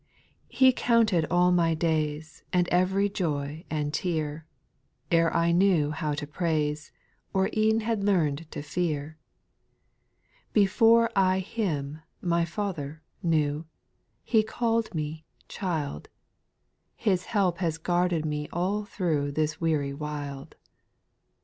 2. He counted all my days. And ev'ry joy and tear, Ere I knew how to praise, Or e'en had learn'd to fear. Before I Him, my Father, knew. He caird me, child : His help has guarded me all through This weary wild.